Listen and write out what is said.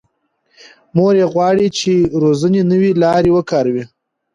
مور یې غواړي چې روزنې نوې لارې وکاروي.